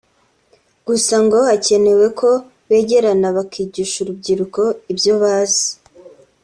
Gusa ngo hakenewe ko begerana bakigisha urubyiruko ibyo bazi